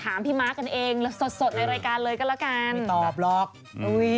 อย่าไปบอกอย่างนั้นไม่มีคนพูดรู้